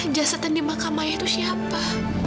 jasatan di makam ayah itu siapa